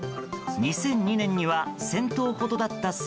２００２年には１０００頭ほどだった